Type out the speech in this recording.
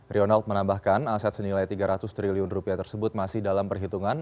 ronald menambahkan aset senilai tiga ratus triliun rupiah tersebut masih dalam perhitungan